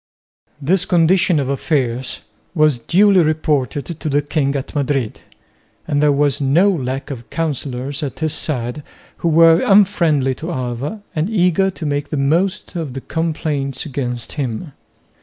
This condition of affairs was duly reported to the king at Madrid; and there was no lack of councillors at his side who were unfriendly to Alva and eager to make the most of the complaints against him.